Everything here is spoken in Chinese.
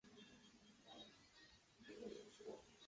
当前维也纳政府将建筑当作一个旅游景点。